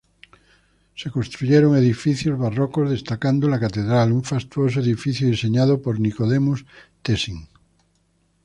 Se construyeron edificios barrocos, destacando la catedral, un fastuoso edificio diseñado por Nicodemus Tessin.